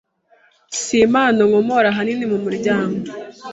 si impano nkomora ahanini mu muryango